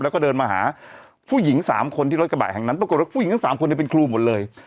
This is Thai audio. แล้วก็เดินมาหาผู้หญิง๓คนที่รถกระบะแห่งนั้นปรากฏว่าผู้หญิงทั้ง๓คนเป็นครูหมดเลย